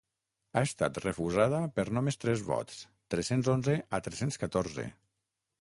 Ha estat refusada per només tres vots, tres-cents onze a tres-cents catorze.